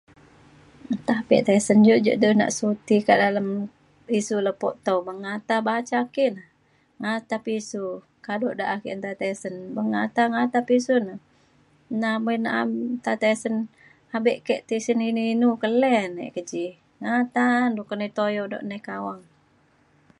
nta pa e tisen iu ja du nak suti kak dalem isu Lepo Tau beng ngata baca ki na ngata pisu kado da ake nta tisen beng ngata ngata pisu na. na bo na nta tisen abe ke tisen inu inu ke le ne ke ji ngata du nai ke tuyau nai kawang